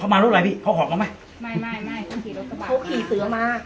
มารถอะไรพี่เขาหอกเขาไหมไม่ไม่ไม่เขาขี่รถกระบาดเขาขี่เสือมา